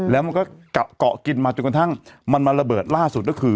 แล้วมันก็เกาะกินมาจนกระทั่งมันมาระเบิดล่าสุดก็คือ